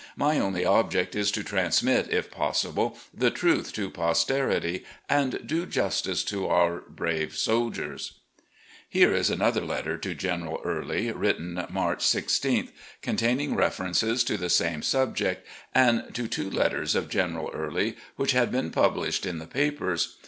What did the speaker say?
My only object is to transmit, if possible, the truth to posterity, and do justice to otir brave soldiers." Here is another letter to General Early, written March 220 RECOLLECTIONS OF GENERAL LEE 1 6th, containing references to the same subject, and to two letters of Greneral Early which had been published in the papers.